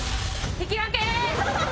引き分け！